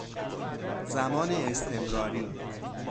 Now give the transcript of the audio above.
زمان استمراری